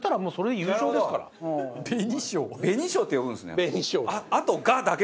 「紅しょう」って呼ぶんですね。